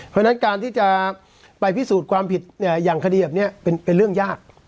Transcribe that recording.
เพราะฉะนั้นการที่จะไปพิสูจน์ความผิดอย่างคดีแบบนี้เป็นเรื่องยาก